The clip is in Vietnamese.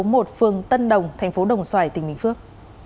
phương tân đồng thành phố đồng xoài tỉnh bình phước